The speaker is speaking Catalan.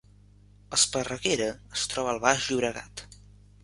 Esparreguera es troba al Baix Llobregat